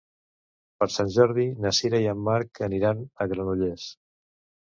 Per Sant Jordi na Sira i en Marc aniran a Granollers.